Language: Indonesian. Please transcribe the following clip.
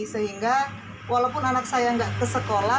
sehingga walaupun anak saya nggak ke sekolah